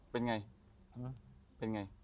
เป็นไง